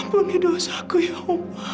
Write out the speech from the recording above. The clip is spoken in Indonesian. punih dosaku ya allah